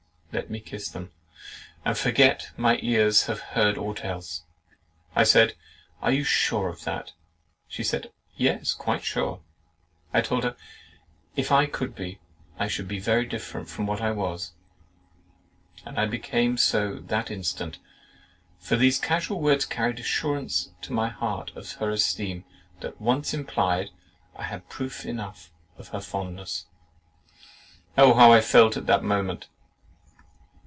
Let me kiss them, and forget that my ears have heard aught else! I said, "Are you sure of that?" and she said, "Yes, quite sure." I told her, "If I could be, I should be very different from what I was." And I became so that instant, for these casual words carried assurance to my heart of her esteem—that once implied, I had proofs enough of her fondness. Oh! how I felt at that moment!